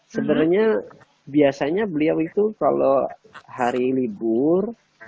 sebenarnya biasanya beliau itu kalau hari libur